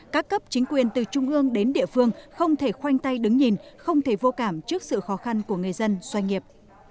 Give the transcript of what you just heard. các cấp chính quyền từ trung ương đến địa phương không thể khoanh tay đứng nhìn không thể vô cảm trước sự khó khăn của người dân doanh nghiệp